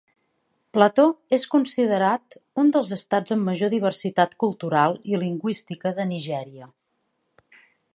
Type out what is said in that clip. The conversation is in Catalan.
Plateau és considerat un dels estats amb major diversitat cultural i lingüística de Nigèria.